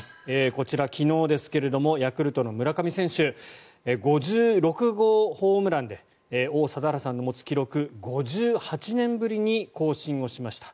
こちら、昨日ですけれどヤクルトの村上選手５６号ホームランで王貞治さんの持つ記録を５８年ぶりに更新をしました。